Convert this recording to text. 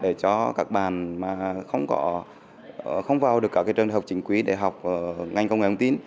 để cho các bạn mà không vào được các trường học chính quý để học ngành công nghệ thông tin